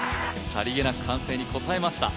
さりげなく歓声に応えました。